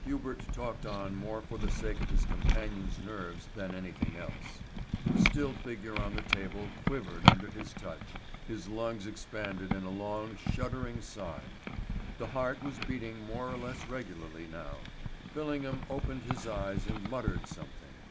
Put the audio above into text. Hubert talked on more for the sake of his companion's nerves than anything else. The still figure on the table quivered under his touch, his lungs expanded in a long, shuddering sigh. The heart was beating more or less regularly now. Fillingham opened his eyes and muttered something.